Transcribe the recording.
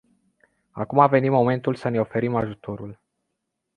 Acum a venit momentul să ne oferim ajutorul.